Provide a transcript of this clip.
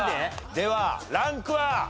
ではランクは？